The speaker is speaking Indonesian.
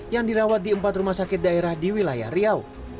yang dirawat di empat rumah sakit daerah di wilayah riau